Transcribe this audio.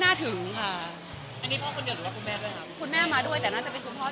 เขาฟังว่าฟังตามนี้อันขัด